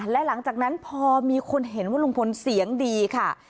และหลังจากนั้นพอมีคนเห็นว่าลุงพลเสียงดีค่ะ